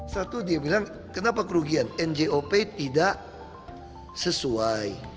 satu dia bilang kenapa kerugian njop tidak sesuai